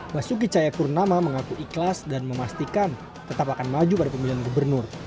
basuki cayapurnama mengaku ikhlas dan memastikan tetap akan maju pada pemilihan gubernur